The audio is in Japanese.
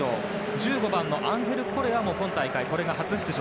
１５番のアンヘル・コレアも今大会初出場。